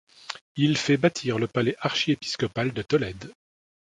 Il fait bâtir le palais archiépiscopal de Tolède.